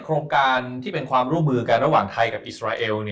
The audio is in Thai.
โครงการที่เป็นความร่วมมือกันระหว่างไทยกับอิสราเอล